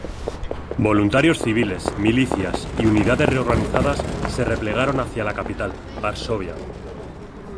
Voluntarios civiles, milicias y unidades reorganizadas se replegaron hacia la capital, Varsovia.